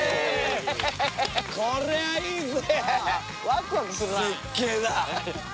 こりゃあいいぜ！